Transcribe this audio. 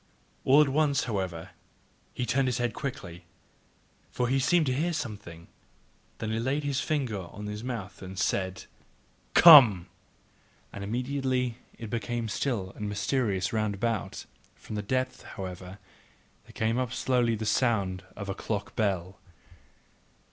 All at once, however, he turned his head quickly, for he seemed to hear something: then laid he his finger on his mouth and said: "COME!" And immediately it became still and mysterious round about; from the depth however there came up slowly the sound of a clock bell.